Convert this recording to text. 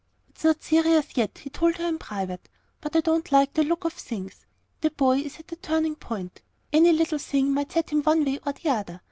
"It's not serious yet," he told her in private; "but I don't like the look of things. The boy is just at a turning point. Any little thing might set him one way or the other.